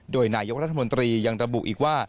โดยนายกรัฐมนตรียังระบุอีกว่า